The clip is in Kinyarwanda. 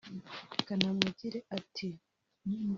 Kanamugire ati